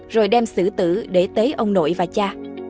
rồi đem sử tử để tế ông nội và cha